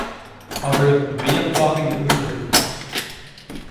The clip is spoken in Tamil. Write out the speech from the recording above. அவளுக்கு வியப்பாக இருந்தது.